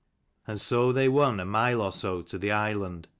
And so they won a mile or so to the island.